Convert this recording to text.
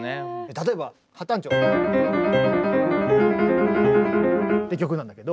例えばハ短調。って曲なんだけど。